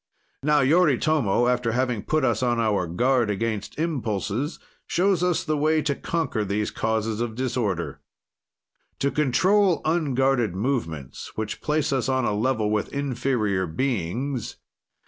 Now Yoritomo, after having put us on our guard against impulses, shows us the way to conquer these causes of disorder. "To control unguarded movements, which place us on a level with inferior beings.